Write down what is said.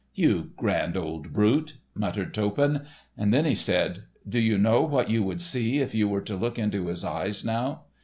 "You grand old brute," muttered Toppan; and then he said: "Do you know what you would see if you were to look into his eyes now?